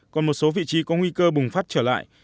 còn một số vị trí có nguy cơ bùng phát trở lại